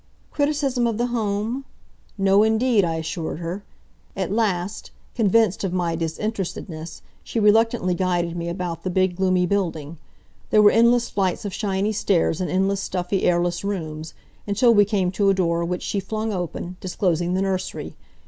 Criticism of the Home? No indeed, I assured her. At last, convinced of my disinterestedness she reluctantly guided me about the big, gloomy building. There were endless flights of shiny stairs, and endless stuffy, airless rooms, until we came to a door which she flung open, disclosing the nursery.